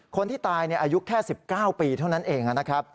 คนที่ตายอายุแค่๑๙ปีเท่านั้นเองนะครับ